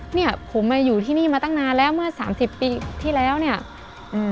เนี้ยผมมาอยู่ที่นี่มาตั้งนานแล้วเมื่อสามสิบปีที่แล้วเนี้ยอืม